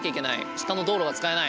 下の道路が使えない？